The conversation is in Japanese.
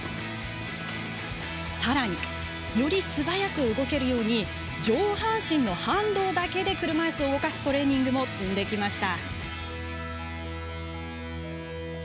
さらに、より素早く動けるように上半身の反動だけで車いすを動かすトレーニングも積んできました。